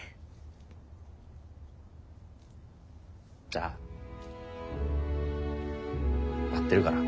じゃあ待ってるから。